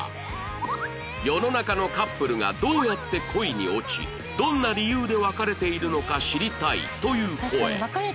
世の中のカップルがどうやって恋に落ちどんな理由で別れているのか知りたいという声